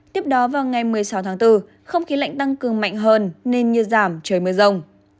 tiếp đó vào ngày một mươi sáu tháng bốn không khí lạnh tăng cường mạnh hơn nên nhiệt giảm trời mưa rông